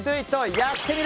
やってみる。